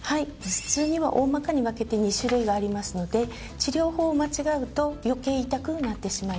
頭痛には大まかに分けて２種類ありますので治療法を間違うと余計痛くなってしまいます。